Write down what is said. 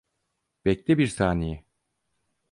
Bekle bir saniye.